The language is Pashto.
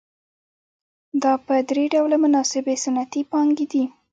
دا په درې ډوله مناسبې صنعتي پانګې دي